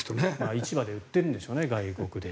市場で売っているんでしょうね。